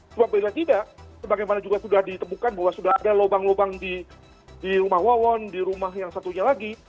sebab bila tidak sebagaimana juga sudah ditemukan bahwa sudah ada lubang lubang di rumah wawon di rumah yang satunya lagi